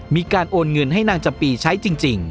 มีการโอนเงินให้นางจำปีใช้จริง